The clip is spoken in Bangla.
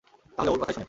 তাইলে ওর কথাই শুনেন।